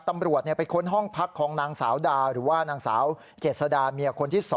ตำรวจไปค้นห้องพักของนางสาวดาหรือว่านางสาวเจษดาเมียคนที่๒